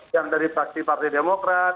yang dari parti demokrat